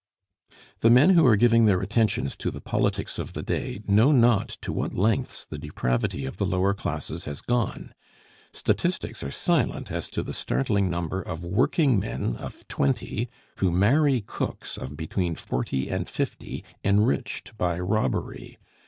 The men who are giving their attentions to the politics of the day know not to what lengths the depravity of the lower classes has gone. Statistics are silent as to the startling number of working men of twenty who marry cooks of between forty and fifty enriched by robbery.